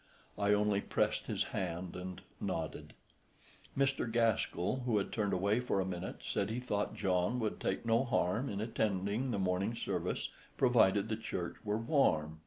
I only pressed his hand and nodded. Mr. Gaskell, who had turned away for a minute, said he thought John would take no harm in attending the morning service provided the church were warm.